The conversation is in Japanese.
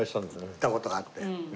行った事があって。